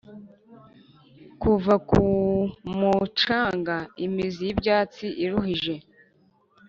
kuva ku mucanga. imizi y'ibyatsi iruhije,